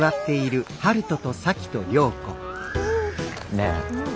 ねえ。